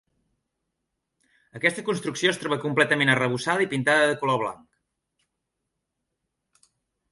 Aquesta construcció es troba completament arrebossada i pintada de color blanc.